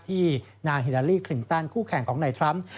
ที่นางฮิลาลีคลินตันคู่แข่งของนายทรัมป์